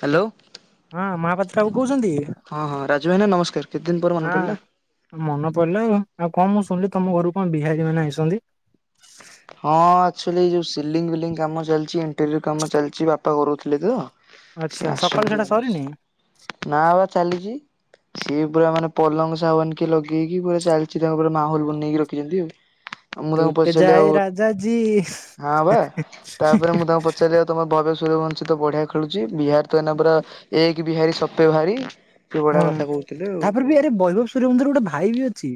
Hello. ହଁ ମହାପାତ୍ର ବାବୁ କହୁଛନ୍ତି। ହଁ ହଁ ରାଜୁ ଭାଇନା ନମସ୍କାର କେତେ ଦିନ ପରେ ମନେ ହଁ ପଡିଲା ମନ ପଡିଲା ଆଉ। ଆଉ କଣ ମୁଁ ଶୁଣିଲି ତମ ଘରୁ କଣ ବିହାରୀ ମାନେ ଆଇସଛନ୍ତି। ହଁ ଆକ୍ଚୁଆଲି ଯେଉଁ ସିଲିଙ୍ଗ ଫିଲିଂ କାମ ଚାଲିଛି ଇଣ୍ଟେରିୟର କାମ ଚାଲିଛି ବାପା କରୁଥିଲେ ତ ଆଚ୍ଛା ସିଏ ସକାଳୁ ଆସଛନ୍ତି ସେଟା ସରିନି? ନା ବା ଚାଲିଛି। ସିଏ ପୁରା ମାନେ ପଲଙ୍ଗ ସାଗାଉନିକ୍ ଲଗେଇକି ପୁରା ଚାଲିଛି। ତାଙ୍କ ପୁରା ମାହୋଲ ବନେଇକି ରଖିଛନ୍ତି ଆଉ। ଆ ମୁଁ ତାଙ୍କୁ ପଚାରିଲି ଆଉ ଜାଜି ହଁ ବା ସୂରୀୟ ବଂଶୀ ତ ବଢିଆ ଖେଳୁଛି। ବିହାର ତ ଏଇନା ପରା ଏକ ବିହାରୀ ସେ ଭହାରି। ହଁ ତାପରେ ବି ଆରେ ବୈଭବ ସୁରେବନ୍ଦର ଗୋଟେ ଭାଇ ବି ଅଛି।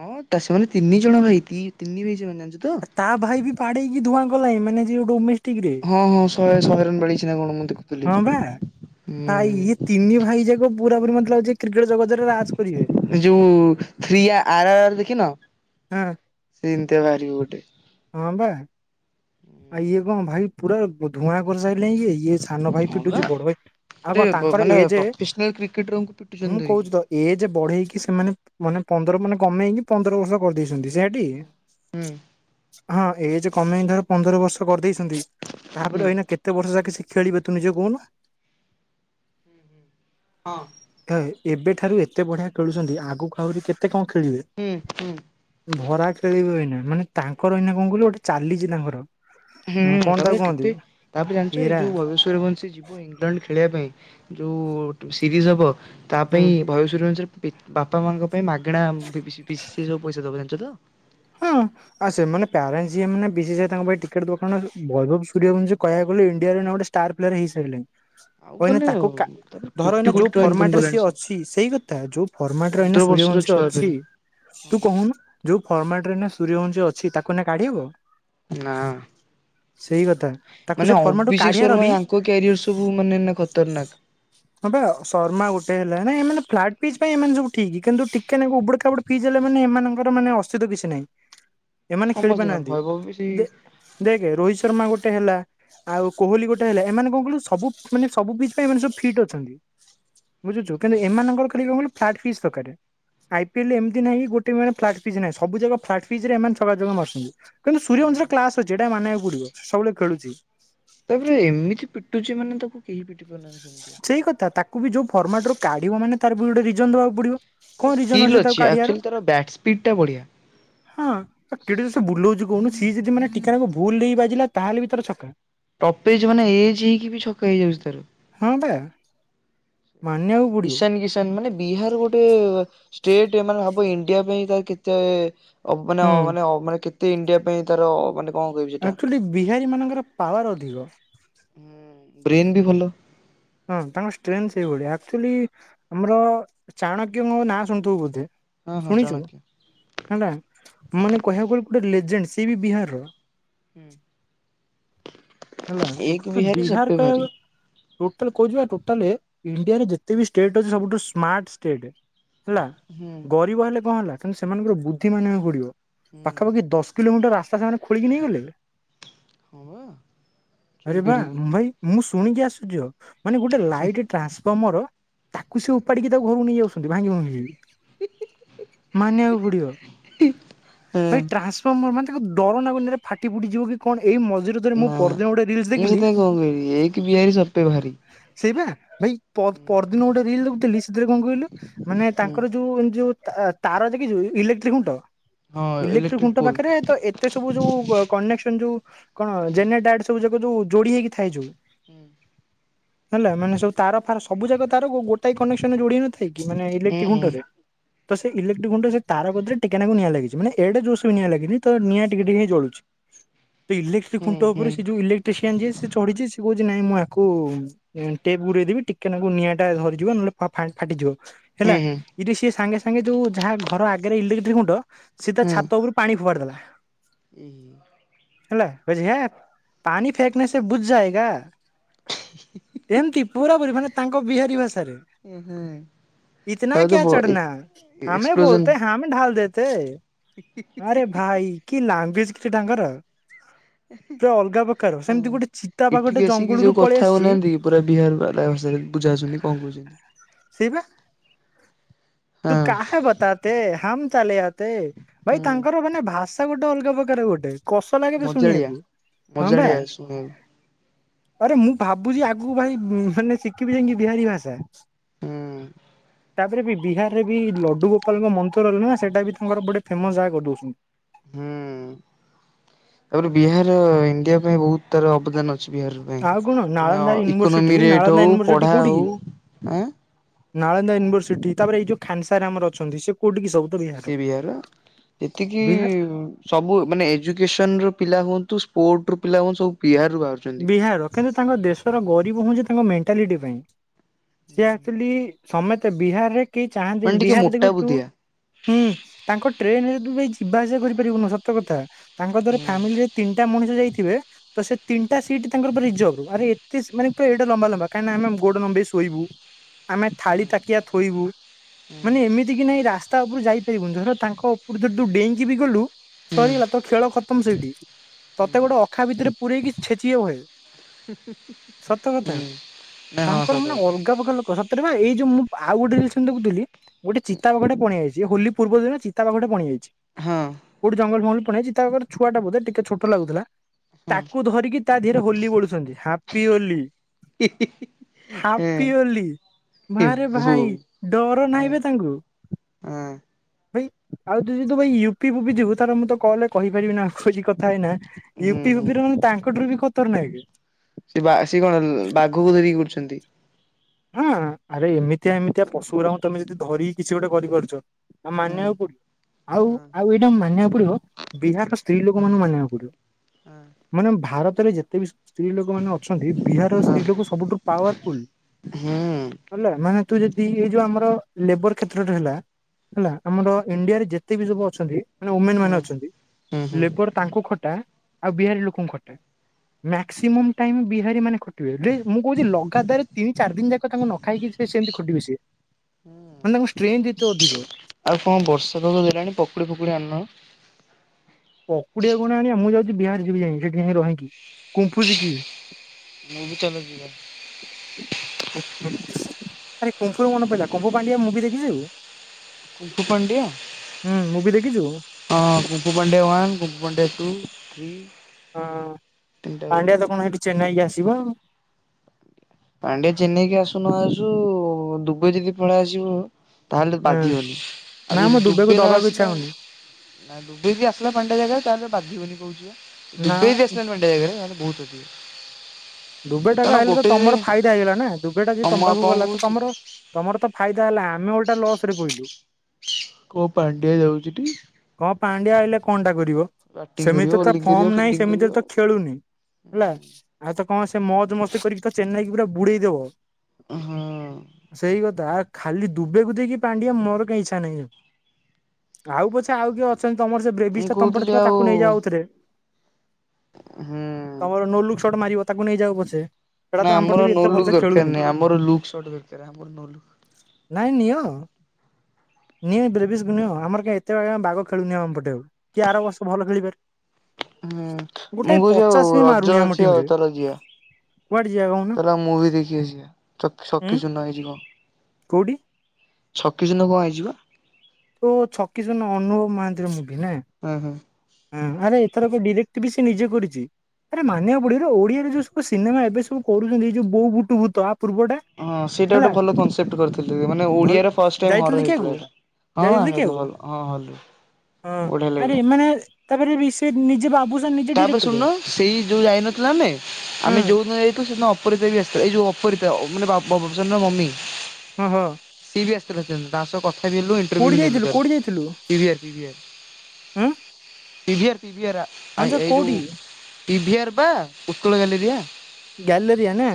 ହଁ ସେମାନେ ତିନି ଜଣ ଭାଇ। ତିନ୍ ତିନି ଭାଇ ନି ଜାଣିଚୁ ତ। ପାଡେଇକି ଧୂଆଁ କଲାଣି। ମାନେ ସିଏ ଡୋନେ ହଁ ହଁ ଶହେ ଶହେରୁ ମିଳିଚି ନା କଣ ମୁଁ ଦେଖୁଥିଲି। ହଁ ବା ହୁଁ। ପୁରାପୁରି ମତଲବ ଅଛି। ଯୋଉ ଥ୍ରୀ ଆର ଆର୍ ଆର ଦେଖିନ। ହଁ ସେମତି ଦେୱାର ବାହାରିବ ଗୋଟେ। ହଁ ବା ଆଉ ଇଏ କଣ ଭାଇ ପୁରା ଧୂଆଁ କରିସା ଇଏ ସାନ ଭାଇ ହଁ ବା ପିଟୁଛି। ବଡ ଭାଇ ଆଉ ଗୋଟେ କଣ ବ ତାଙ୍କର ମାନେ ଏଜେ ପ୍ରଫେସନାଲ କ୍ରିକେଟରଙ୍କୁ ପିଟୁଛନ୍ତି ମୁଁ ଧରିକି। କହୁଛି ତ ଏଜେ ବଢେଇକି ସେମାନେ ମାନେ ପନ୍ଦର ମାନେ କମେଇକି ପନ୍ଦର ବର୍ଷ କରିଦେଇଛନ୍ତି। ଜେ ଡି ହୁଁ ହଁ ଏଜେ କମେଇ ଧର ପନ୍ଦର ବର୍ଷ କରିଦେଇ ଛନ୍ତି ହୁଁ ତାପରେ ଏନା କେତେ ବର୍ଷ ଯାକେ ଶିଖ୍ ଖେଳିବେ ତୁ ନିଜେ କହୁନୁ। ହଁ। ହେ ଏବେଠାରୁ ଏତେ ବଢିଆ ଖେଳୁଛନ୍ତି। ଆଗକୁ ଆହୁରି କେତେ କଣ ଖେଳିବେ ହୁଁ ହୁଁ। ଭରା ଖେଳିବେ ଏଇନା। ମାନେ ତାଙ୍କ ଙ୍କର ନା କଣ କହିଲୁ ଗୋଟେ ଚାଲିଛି ତାଙ୍କର। ହୁଁ ହଁ କଣ ତାକୁ ତାପରେ କୁହନ୍ତି କେତେ ତାପରେ ଜାଣିଛ ଏଇ ଏରା ଯୋଉ ଭବେଶ୍ୱର ବଂଶୀ ଯିବ ଇଂଲଣ୍ଡ ଖେଳିବା ପାଇଁ। ଯୋଉ ସିରିଜ ହବ। ତା ହୁଁ ପାଇଁ ଭୟସୂରୀୟ ବଂଶୀରେ ବାପା ମାଆଙ୍କ ପାଇଁ ମାଗଣା ବିବି ପିସି ସିଏ ଯୋଉ ସବୁ ପଇସା ଦେଉ ଚୁ ତ ହଁ ଆଉ ସେମାନେ ପ୍ୟାରେଣ୍ଟ ଯିଏ ମାନ ବିଶେଷ ତାଙ୍କ ପାଇଁ ଟିକେଟ ଦୋକାନ ଭୈରବ ସୂର୍ଯ୍ୟବଂଶୀ କହିବାକୁ ଗଲେ ଇଣ୍ଡିଆରେ ନ ଗୋଟେ ଷ୍ଟାର ପ୍ଲେୟାର ହେଇସାରିଲଣି। ଆଉ କହିନେ ମାନେ ତାକୁ ତାପରେ ଧର କୋଟି ଏଇନା କୋଟି ଯୋଉ ଟଙ୍କା ଫର୍ମାଟ ଇନକମ୍ ରେ କଲାଣି ସିଏ ସେ। ଅଛି। ସେଇ କଥା ଯୋଉ ଫର୍ମାଟ ରେନା ପନ୍ଦର ବର୍ଷର ସୂର୍ଯ୍ୟବଂଶୀ ଛୁଆ ଅଛି। ଫେରେ ତୁ କହୁନୁ ଯୋଉ ଫର୍ମାଟ୍ ରେ ଏଇନା ସୂରୀୟ ବଂଶୀ ଅଛି ତାକୁ ଏଇନା କାଢି ହବ। ନା [inaudible] ସେଇ କଥା ତାକୁ ମାନେ ସେ ଫର୍ମା ଟୁ ଅଭିଷେକ କାଢିଆର ଶର୍ମା ବି ୟାଙ୍କ କ୍ୟାରିୟର ସବୁ ମାନେ ଏଇନା ଖତରନାକ। ହଁ ପା ଶର୍ମା ଗୋଟେ ହେଲାଣି ମାନେ ଫ୍ଲାଟ ବି ଏମାନେ ସବୁ ଠିକି। କିନ୍ତୁ ଟିକେ ନାକୁ ଉବୁଡୁ ଖାବୁଡୁ ଫିଜି ହେଲା ମାନେ ଏମାନଙ୍କର ମାନେ ସୁଧ କିଛି ନାହିଁ। ଏମାନେ ଖେଳି ସମସ୍ତଙ୍କର ପାରୁନାହାଁନ୍ତି ଭୈଭବ ବି ସେଇ । ଦେ ଦେଖ ରୋହିତ୍ ଶର୍ମା ଗୋଟେ ହେଲା। ଆଉ କୋହଲି ଗୋଟେ ହେଲା ଏମାନେ କଣ କହିଲୁ ସବୁ ମାନେ ସବୁ ପିଚ୍ ପାଇଁ ଏମାନେ ସବୁ ଫିଟ୍ ଅଛନ୍ତି। ବୁଝୁଛୁ କିନ୍ତୁ ଏମାନଙ୍କର ଖାଲି କଣ କହିଲୁ ଫ୍ଲାଟ ଫିସ୍ ଦରକାର। ଆଇ ପିଏଲ ଏମିତି ନାହିଁ ଗୋଟେ ମାନେ ଫ୍ଲାଟ ନାହିଁ ସବୁ ଯାକ ଫ୍ଲାଟ ଫିଜ୍ ରେ ଏମାନେ ଛକା ଚୌକା ମାରୁଛନ୍ତି। କିନ୍ତୁ ସୂରୀୟ ବଂଶୀ ରେ କ୍ଲାସ ଅଛି। ଏଟା ମାନିବାକୁ ପଡିବ। ସବୁବେଳେ ଖେଳୁଛି। ତାପରେ ଏମିତି ପଟୁଛି ମାନେ ତାକୁ କେହି ପିଟି ପାରୁନାହାଁନ୍ତି। ସେଇ କଥା ତାକୁ ବି ଯୋଉ ଫର୍ମାଟ ରୁ କାଢିବ ମାନେ ତାର ବି ଗୋଟେ ରି ବାକୁ ପଡିବ। ତାର କଣ ରିଜନ ଅଛି ସ୍କିଲ୍ ଯେ ତାକୁ କାଢିଆର। ଆକ୍ଚୁଆଲି ତାର ବ୍ୟାଟ୍ ସ୍ପିଡ୍ ଟା ବଢିଆ। ହଁ କେଡେ ଜୋରସେ ବୁଲୋଉଛି କହୁନୁ ସିଏ ଯଦି ମାନେ ଟିକେ ନାକୁ ଭୁଲ ରେ ବାଜିଲା। ତାହେଲେ ବି ତାର ଛକା। ଟପ୍ ଏଜ ମାନେ ଏଜ ହେଇକି ବି ଛକା ହେଇଯାଉଛି ତାର। ହଁ ପା। [inaudible] ଈଶାନ କିଶାନ ମାନେ ବିହାର ଗୋଟେ ଷ୍ଟେଟ୍ ଏମାନେ ଭାବ। ଇଡିଆ ପାଇଁ ତାର କେତେ ଅ ମାନେ ହୁଁ। ଅ ମାନେ ଅ ମାନେ କେ ଇଣ୍ଡିଆ ପାଇଁ ତାର ମାନେ କଣ କହିବି ସେଟା ଆକ୍ଚୁଆଲି ବିହାରୀ ମାନଙ୍କର ପାୱାର ଅଧିକ। ହଁ ବ୍ରେନ୍ ବି ଭଲ। ହଁ ତାଙ୍କର ଷ୍ଟ୍ରେନ୍ଥ ସେଇଭଳିଆ ଆକ୍ଚୁଆଲି ଆମର ଚାଣକ୍ୟଙ୍କ ନାଁ ଶୁଣିଥିବୁ ବୋଧେ। ହଁ ହଁ ଶୁଣିଛୁ ଚାଣକ୍ୟ। ହେଲା ମାନେ କହିବାକୁ ଗଲେ। ଗୋଟେ ଲେଜେଣ୍ଡ ସିଏ ବି ବିହାରରୁ ହୁଁ। ହେଲା ଏକ ତ ବିହାରୀ ବିହାର ସବପେ କଲ ଭାରୀ। ଟୋଟାଲ କହୁଚିପା ଟୋଟାଲ ଇଣ୍ଡିଆରେ ଯେତେ ବି ଷ୍ଟେଟ୍ ଅଛି ସବୁଠୁ ସ୍ମାର୍ଟ ଷ୍ଟେଟ୍ ହେଲା ହୁଁ ଗରିବ ହେଲେ କଣ ହେଲା? ତେଣୁ ସେମାନଙ୍କ ବୁଦ୍ଧି ମାନିବାକୁ ପଡିବ। ହୁଁ ପାଖାପାଖି ଦଶ କିଲୋମିଟର ରାସ୍ ତା ସାଙ୍ଗରେ ଖୋଳିିକ ନେଇଗଲେ। ହଁ ବା ଆରେ ଚୋରି ବା କରିକି। ମୁ ମୁଁ [unintelligible] ମାନେ ଗୋଟେ ଲାଇଟ୍ ଟ୍ରାନ୍ସଫର୍ମର ତାକୁ ସେ ଉପାଡିକି ତାକୁ ଘରୁକୁ ନେଇ ଯାଉଛନ୍ତି ଭାଙ୍ଗି ଭୁଙ୍ଗିକି। [inaudible] ମାନିବାକୁ ପଡିବ [inaudible] ଏଇ ହଁ ଟ୍ରାନ୍ସଫର୍ମର ମାନେ? ତା ଡର ନାଗୁନି କିରେ ଫାଟି ଫୁଟିଯିବ କି କଣ? ଏଇ ମନ୍ଦିରରେ ମୁଁ ହ ପରଦିନ ଗୋଟେ ରିଲସ ମୁଁ ଦେଖିଲି ସେଥିାଇଁ କଣ କହିବି ଏଇକି ବିହାରୀ ସବସେ ଭାରି ସେଇ ବା ଭାଇ ପର ପରଦିନ ଗୋଟେ ରିଲ [inaudible] ସେରେ କଣ କହିଲୁ ମାନେ ହୁଁ ତାଙ୍କର ଯୋଉ ଏନ ଜି ଓ ତାର ଯେ କି ଇଲେକ୍ଟ୍ରିକ୍ ଖୁଣ୍ଟ ହଁ ଇଲେକ୍ଟ୍ରିକ ଇଲେକ୍ଟ୍ରିକୁଣ୍ଟ ପୋଲ। ପାଖରେ ତ ଏତେ ସବୁ ଯୋଉ କନେକ୍ସନ ଯୋଉ କଣ ହୁଁ ଜେ ସୁ ଯା ଯୋଉ ଯୋଡି ହେଇକି ଥାଏ ଯୋଉ ହୁଁ। ହେଲା ମାନେ ସବୁ ତାର ଫାର ସବୁ ଜାଗା ତାର ଗୋଟାଏ କନେକ୍ସନରେ ଯୋଡି ହେଇନଥିଲାକି। କି ମାନେ ଇଲେକ୍ଟ୍ରିକ ହୁଁ ଘୁଣ୍ଟରେ ତ ସେଇ ଇଲେକ୍ଟ୍ରିକ ଗୁଣ୍ଡ ସେ ତାର ପଦାରେ ଟିକେନାକୁ ନିଆଁ ଲାଗିଛି। ମାନେ ଏଟେ ଜୋସ ବି ନିଆଁ ଲାଗିନି ତ ନିଆଁ ଟିକେ ଟିକ ହେଇ ଜଳୁଛି। ତ ଇଲେକ୍ଟ୍ରିକ ହୁଁ ଖୁଣ୍ଟ ଉପରେ ହୁଁ ସେ ଯଉ ଇଲେକ୍ଟ୍ରସିଆନ୍ ଯ ସେ ଚଢିଛି ସେହୁ ନାଇଁ ମୁଁ ଆକୁ ଟେପ୍ ଗୁରେଇ ଦେବି ଟିକେ ନାକୁ ନିଆଁ ଟା ଧରିଯିବ ନହେଲେ ଫାଟିଯିବ। ହେଲା ଏଇଟି ସିଏ ସାଙ୍ଗେ ସାଙ୍ଗେ ଯୋଉ ଯାହା ଘର ଆଗରେ ଇଲେକ ତ୍ରୀକୁଣ୍ଡ ସିଏ ତା ଛାତ ଉପରୁ ପାଣି ଫୋପାଡି ଦେଲା। ଏଇ ହେଲା [unintelligible] ପାଣିି ଫେକ୍ ନେ ସେ ବୁଝ ଯାଏଗା। ଏମତି ପୁରାପୁରି ମାନେ ତାଙ୍କ ବିହାରୀ ଭାଷା ଆରେ ହୁଁ। ଇତନା ତାପରେ ତ କ୍ୟା ବ ଚଢ଼ନା ହମେ ଏକ୍ସପ୍ଲୋଜନ। ବୋଲତେ ହମ ଢାଲ ଦେତେ ଥେ ଆରେ ଭାଇ କି ଲାଙ୍ଗ ଏଜ କିରେ ଡାଙ୍ଗର ତ ଅଲଗା ପ ଏଁ ଏଠି ବି ଆସିକି ଯୋଉ ପଳେଇ କଥା ଆସିଛି ହଉନାହାନ୍ତି ପୁରା ବିହାର ବାଲାଙ୍କ ସହିତ ବୁଝା ହାଉଛନ୍ତି କଣ କହୁଛନ୍ତି ତୁ ହଁ କାହା ବତାଟେ ହମ ଚାଲେ ଆତେ ଭାଇ ହୁଁ ତାଙ୍କର ମାନେ ଭାଷ ତା ଗୋଟେ ଅଲଗା ପ୍ରକାର ଗୋଟେ କଷ ଲାଗେ ତ ଶୁଣିବାକୁ ହଁ ବା ମଜାଳିଆସୁଣ ଆରେ ମୁଁ ଭାବୁଛି ଆଗକୁ ଭାଇ ମାନେ ଶିଖିବି ଯାଇକି ବିହାରୀ ଭାଷା ହୁଁ ତାପରେ ବି ବିହାରରେ ବି ଲଡୁ ଗୋପାଳଙ୍କ ମନ୍ତର ହଲ ନା ସେଇଟା ବି ତାଙ୍କର ଗୋଟେ ଫେମସ୍ ଜାଗା କରି ଦଉଛନ୍ତି ହୁଁ ତାପରେ ବିହାର ଇଣ୍ଡିଆ ପାଇଁ ବହୁତ ତାର ଅବଦାନ ଅଛି ବିହାର ପାଇଁ ଆଉ କଣ ମାନେ Nalanda university economy rate Nalanda ହଉ ୟୁନିଭର୍ସିଟି ପଢା କୋଉଠି କି ହଉ ନାଳନ୍ଦା ୟୁନିଭରସିଟି ତାପରେ ଏଇ ଯୋଉ ଖାନସାର ଆର ଅଛନ୍ତି ସେ କଉଠି ସବୁ ସେ ବିହାର ଯେତିକି ବିହା ସବୁ ମାନେ ଏଜୁକେସନ୍ ର ପିଲା ହୁଅନ୍ତୁ ସ୍ପୋର୍ଟ ରୁ ପିଲା ହୁଅନ୍ତୁ ସବୁ ବିହାର ବିହାର କିନ୍ତୁ ତାଙ୍କ ଦେଶର ଗରିବ ହୁଁଛିତ ତାଙ୍କ ମେଣ୍ଟାଲିଟି ପାଇଁ ସେ ଆକ୍ଚୁଲି ସମେତେ ବିହାରରେ କେହି ମାନେ ଚାହାନ୍ତିନି ଟିକେ ବିହାରରେ ମୋଟା ଦେଖୁ ତୁ ବୁଦ୍ଧିଆ। ହୁଁ ତାଙ୍କ ଟ୍ରେନରେ ତୁ ଯିବା ଆସିବା କରିପାରିବୁନୁ ସତ କଥା। ତାଙ୍କ ଧର ହୁଁ ଫ୍ୟାମିଲିରେ ତିନିଟା ମଣିଷ ଯାଇଥି ଥିବେ ତ ସେ ତିନିଟାିଟ୍ ତାଙ୍କର ରିଜର୍ଭ ଆରେ ଏତେ ମାନ ପୁରା ଏଟା ଲମ୍ବା ଲମ୍ବା କାହିଁକ ନା ଆମେ ଗୋଡ ନମ୍େଇ ଶୋଇବୁ ଆମେ ଥାଳି ତାକିଆ ଥୋଇବୁ ମାନେ ଏମିତି କି ନାଇଁ ରା ରାସ୍ତା ଉପରୁ ଯାଇପାରିବୁନି ଧ ତାଙ୍କ ଉପରୁ ଧରୁ ଡେଇଁକି ବି ଗଲୁ ସରିଗଲା ତ ଖେଳ ଖତମ ସେଇଠି ତତେ ଗୋଟେ ଅଖା ଭିତରେ ପୁରୀ କି ଛେଚିବେ ବହେ। ସତ କଥା ହୁଁ ନା ହଁ ତାଙ୍କର ସତ ମାନେ କଥା ଅଲଗା ଅଲଗା ଲୋକ ସତରେ ବା ଏଇ ଯୋଉ ମୁ ଆଉ ଗୋଟେ ସେମତି ଦେଖୁଥିଲି। ଗୋଟେ ଚିତା ବାଘ ଟେ ପଣିଆଇଛି। ସି ହୋଲି ପୂର୍ବ ଦିନ ଚିତା ବାଘ ଟେ ପଣି ଯାଇଛି। ହଁ କୋଉଠି ଜଙ୍ଗଲ ଫଙ୍ଗଲ ହେଇଚି ତାର ଛୁଆଟା ବୋଧେ ଟିକେ ଛୋଟ ଲାଗୁଥିଲା। ହଁ। ତାକୁ ଧରିକି ତା ଦେହରେ ହୋଲି ବୋଳୁଛନ୍ତି। ହାପି ହୋଲି। ହାପିଅଲି ଏ ଭାରେ ବୋ ଭାଇ ଡର ତା ନାଇଁ ହଁ ବେ ତାଙ୍ଗୁରୁ ୟି ଆଉ ବି ତୁ ଯଦି ୟୁପି ଫ୍ୟୁପି ଯିବୁ ତ ମୁଁ ତ କଲ ରେ କହିପାରିବି ନା କହୁଛି କଥା ହେଇନା। ହୁଁ ୟୁପି ହୁଁ। ଫିଉପି ରେ ମାନେ ତାଙ୍କଠାରୁ ବି ଖତର ନାକେ। ଛନ୍ତି। ହଁ ଆରେ ଏମିତିଆ ଏମିତିଆ ପଶୁ ଗୁରାଙ୍କୁ ତମେ ଯଦି ଧରିକି କିଛି ଗୋଟେ କରିପାରୁଛ। ଆଉ ହୁଁ ମାନିବାକୁ ପଡିବ। ଆଉ ହଁ ଆଉ ଏଇଟା ମାନିବାକୁ ବିହାର ର ସବୁ ସ୍ତ୍ରୀ ହଁ ଲୋକମାନେ ମାନିବାକୁ ପଡିବ। ମାନେ ଭାରତରେ ଯେତେ ବି ସ୍ତ୍ରୀ ଲୋକ ମାନେ ଅଛନ୍ତି। ହଁ ବିହାରର ହଁ ସ୍ତ୍ରୀ ଲୋକ ସବୁଠୁ ପାୱାରଫୁଲ୍। ହୁଁ। ହେଲା ମାନେ ତୁ ଯଦି ଏଇ ଯୋଉ ଆମର ଲେବର କ୍ଷେତ୍ରରେ ହେଲା। ହେଲା ଆମର ଇଣ୍ଡିଆରେ ଯେତେ ବି ସବୁ ଅଛନ୍ତି ମାନେ ଓମେନ୍ ହୁଁ ମାନେ ଅଛନ୍ତି। ହୁଁ ହୁଁ ଲେବର ତାଙ୍କୁ ଖଟା ଆଉ ବିହାରୀ ଲୋକଙ୍କୁ ଖଟା ମ୍ୟାକ୍ସିମମ୍ ଟାଇମ୍ ବିହାରୀ ମାନେ ଖଟିବେ। ବେ ମୁଁ କହୁଛି ଲଗାତାର ତିନି ଚାରି ଦିନ ଯାକ ତାଙ୍କୁ ନ ଖାଇକି ସେ ସେମିତି ଖଟିବେ ସେ ମାନେ ତାଙ୍କୁ ଷ୍ଟ୍ରେନ୍ଥ ଏତେ ଅଧିକ। ଆଉ କଣ ବର୍ଷା ତଷ ଦେଲାଣି ପକୁଡି ଫକୁଡି ଆନ। ପକୁଡିଆ କଣା ଆଣିଆ। ମୁଁ ଯାଉଛି ବିହାର ଯିବି ଯାଇ ସେଠି ଯାଇ ରହିକି କୁମ୍ଫୁ ଶିକିବି। ମୁଁ ବି ଚାଲ ଯିବା। ଆରେ କୁମ୍ପୁରୁ ମନେ ପଡିଲା କୁମ୍ପୁ ପାଣ୍ଡିଆ ମୁଭିି ଦେଖି ଯିବୁ। କୁମ୍ଫୁ ପାଣ୍ଡିଆ ମୁଭି ଦେଖିଛୁ ହଁ kung fu panda one one day two three. ହଁ ତିନିଟାକୁ ପାଣ୍ଡିଆ ଦେଖିଛି। ତ କଣ ହେଇଠି ଚେନ୍ନାଇକି ଆସ ଯିବା ଆଉ। ପାଣ୍ଡିଆ ଚେନ୍ନେଇକି ଆସୁ ନ ଆସୁ ଦୁବାଇ ଯଦି ପଳେଇ ଆସିବ। ତାହେଲେ ହଁ ବାଧିବନି ଆଉ ନା ଯଦି ମୁଁ ଦୁବେକୁ ଦୁବେ ନ ଦବାକୁ ଇଚ୍ଛା ଆସିଲା ହଉନି ନା ଡୁବେ ଆସିଲା ପାଣ୍ଡେ ଜାଗାରେ ତାହେଲେ ବାଧିବନି କହୁଛି ପା। ନା ଡୁବେ ଆସିଲା ନଣ୍ଡେ ଜାଗାରେ ବହୁ [unintelligible] ଦୁବେ ଟଙ୍କା ଆଇଲେ ତ ତମର ଫାଇ ହେଇଗଲା ନା ଦୁବେଟା ଯଦି ହଁ ମୁଁ ତମ ଆଉ ପାଖକୁ କଣ ଗଲା। କହୁଛି କି ତମର ତମର ତ ଫାଇଦା ହେଲା ଆମେ ଓଲଟା ଲସ ରେ ପଇଲୁ। [inaudible] କୋଉ ପାଣ୍ଡିଆ ଯାଉଚି ଟି। ପାଣ୍ଡିଆ ଆଇଲେ କଣ୍ଟା କରିବ କରିବ ସେମିତି ତା ବୋଲିଂ କରିବ ଫର୍ମ ନାହିଁ ଫିଲ୍ଡିଂ ସେମିତି କରିବ। ତ ଖେଳୁନି ହେଲା ଆଉ କଣ ସେ ମଜ ମସ୍ତି କରିକି ତ ଚେନ୍ନାଇ କି ପୁରା ବୁଡେଇଦବ ହଁ। ସେଇ କଥା ଖାଲି ଦୁବେଇ କୁ ଦେଇକି ପାଣ୍ଡିଆ ମୋର କାଇ ଇଚ୍ଛା ନାହିଁ ଆଉ ପଛେ ଆଉ କିଏ ଅ ତମର ସେ ମୁଁ ବ୍ରେବିଷ୍ଟା ଟା ତମପ କହୁଥିଲି ଥିଲା ତାକୁ ନେଇ ଯା ଆଉ ଥରେ। ହୁଁ ତମର ନୋ ଲୁକ୍ ଶୋଟ ମାରିବ ତାକୁ ନେଇଯାଅ ପଛେ ସେଟା ତ ନା ଆମ ପଟେ ଆମର ବି ନୋ ଏତେ ଲୁକ୍ ଭଲସେ ଦରକାର ଖେଳୁନି ନାହିଁ ଆମର ଲୁକ୍ଟ ଦରକାର ଆମର ନ ଲୁ ନାଇଁ ନିଅ ନିଅ ବ୍ରବଶକୁ ନିଅ ଆମର କାହିଁ ଏତେ ବାଘ ଖେଳୁନିଅ ଆମ ପଟେକୁ କିଏ ଆର ବର୍ଷ ଭଲ ଖେଳିି ପାରେ। ହୁଁ ମୁଁ କହୁଛି ଆଉ ବି ରଜ ମାରୁନି ଆମ ଅଛି ଟିମ ଆଉ ରେ ଚାଲ ଯିବା କୁଆଡେ ଯିବା କହୁନ ତାରେ ମୁଁଇ ଦେଖି ଆସିବା ଉଁ ଶକିଚୁନା ହେଇଯିବ। କୋଉଠି ଛକି ଶୂନ କଣ ହେଇଯିବା ତୋ ଛକି ଶୂନ ଅନୁଭବ ମହାନ୍ତିର ମୁଁ ହୁଁ ହୁଁ ହଁ ଆରେ ଏଥର ଏକ ଡିରେକ୍ଟ ବି ସେ ନିଜେ କରିଛି ଆରେ ମାନିବା ପଡିବ ଓଡିଆରେ ଯୋଉ ସବୁ ସିନେମା ଏବେ ସବୁ କରୁଛନ୍ତି ଯୋଉ ବୋଉ ବୁଟୁଭୂତ ହଁ ସେଇଟା ଗୋଟେ ଭଲ କେପ୍ଟ କରିଥିଲ ମାନେ ଭଲ ଓଡିଆ ଫାର୍ଷ୍ଟ ହଲ ଯାଇଥିଲୁ ରେ ଦେଖିବାକୁ ହେଇଥିଲା ଯାଇଥିଲୁ ଦେଖିବାକୁ ହଁ ହଁ ଲ ରେ ହଁ ଆରେ ମାନେ ତାପରେ ବିଷୟ ନିଜେ ବାବୁ ତାପରେ ଶୁଣନ ସେଇ ଯୋଉ ଯାଇନଥିଲୁ ଆମେ ହଁ ଆମେ ଯୋଉ ନ ଯାଇଥିଲୁ ସେଦିନ ଅପରୀତା ବି ଆସିଥିଲା ଏଇ ଯୋଉ ଅପରୀତାପ ବାବୁସାନ ର ମମି ହଁ ହଁ ଆସିଥିଲେ ତାଙ୍କ ସହ କ କୋଉଠି ଯାଇଥିଲୁ [unintelligible] କୋଉଠି ଯାଇଥିଲୁ ପିଭି ଉଁ ପିଭିଁଏରା ହଁ ଜ କୋଉଠି? ପିଭିିଆର୍ ବା ଉତ୍କଳ ଗାଲେରିଆ ଗ୍ୟାଲେରିଆ ନା?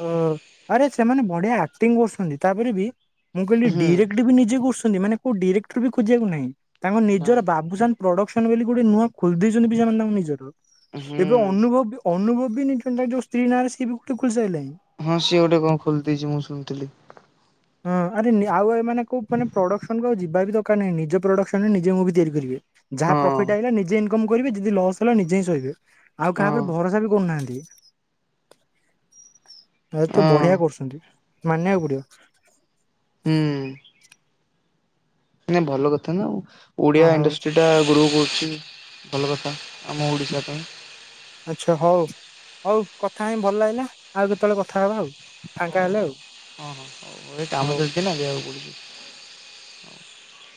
ହୁଁ ଆରେ ସେମାନେ ବଢିଆ ଆକ୍ଟିଂ କରୁଛନ୍ତି ତାପରେ ବି ମୁଁ କହିଲି ହୁଁ ଡିରେକ୍ଟ ବି ନିଜେ କସୁ ମାନେ କୋଉ ଡିରେକ୍ଟର ବି ଖୋଜିବାକୁ ନାହିଁ। ତାଙ୍କ ନା ନିଜର ବାବୁସାନ ପ୍ରଡକ୍ସନ ବୋଲି ଗୋଟେ ନୂଆ ଖୋଲିଦ ଦେଇଉଛନ୍ତି ବି ଜାନ୍ତା ମୁଁ ନିଜର ହୁଁ ଏବେ ଅନୁଭବ ଅନୁଭବ [unintelligible] କୁ ସାଇଲେ ହଁ ସିଏ ଗୋଟେ କଣ ଖୋଲି ଦେଇଛି ମୁଁ ଶୁଣିଥିଲି। ହଁ ଆରେ ଆଉ ଏମାନେେ କଉଁ ମାନେ ପ୍ରଡ଼କ୍ସନକୁ ଆଉ ଯିବା ବି ଦରକାର ନାହିଁ ନିଜ ପ୍ରଡ଼କ୍ସନରେ ନିଜେ ମୁଭି ତିଆରି କରିବେ। ଯାହା ହଁ ପ୍ରଫିଟ୍ ଆଇଲା ନିଜେ କରିବେ ଯଦି ଲସ୍ ହେଲା ନିଜେହିଁ ସହିବେ ଆଉ କାହା ହଁ ଉପରେ ଭରସା ବି କରୁନାହାନ୍ତି। [inaudible] ଏ ତ ହଁ ବଢିଆ କରୁଛନ୍ତି। ମାନିଆକୁ ପଡିବ। ହୁଁ। ନା ଭଲ କଥା ନା ଆଉ ଓଡିଆ ଓ ହଉ ଇଣ୍ଡଷ୍ଟ୍ରିଟା ଗ୍ରୋ କରୁଛି। ଭଲ କଥା ଆମ ଓଡ଼ିଶା ପାଇଁ ଆଚ୍ଛା ହଉ ହଉ କଥା ହେଇ ଭଲ ଲାଗିଲା ଆଉ କେତେବେଳେ କଥା ହବା ଆଉ ହଉ ଫାଙ୍କା ହେଲେ ହଉ ଆଉ ହଁ ହଁ ହଉ ଏବେ କାମ ହଉ। ଚାଲିଛି ନା ନା ଯିବାକୁ ପଡୁଛି। ହଉ।